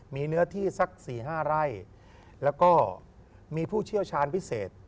มีเนื้อที่สัก๔๕ไร่แล้วก็มีผู้เชี่ยวชาญพิเศษ